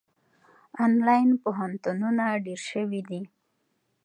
آنلاین پوهنتونونه ډېر سوي دي.